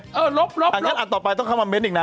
รบอันนี้อันต่อไปต้องเข้ามันเม้นต์อีกนะ